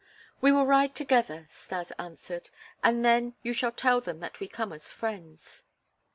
"We will ride together," Stas answered, "and then you shall tell them that we come as friends."